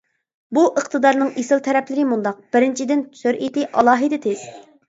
بۇ ئىقتىدارنىڭ ئېسىل تەرەپلىرى مۇنداق: بىرىنچىدىن سۈرئىتى ئالاھىدە تېز.